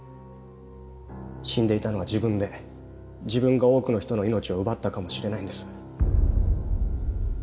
死んでいたのは自分で自分が多くの人の命を奪ったかもしれないんです。